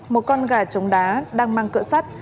một con gà chống đá đang mang cửa sắt